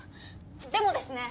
でもですね